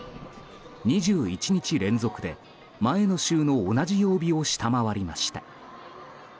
２１日連続で前の週の同じ曜日を下回りました。